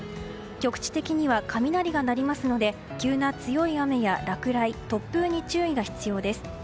局地的には雷が鳴りますので急な強い雨や落雷、突風に注意が必要です。